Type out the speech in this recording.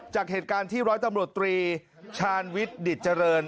จากเหตุการณ์ที่ร้อยตำรวจตรีชาญวิทย์ดิตเจริญ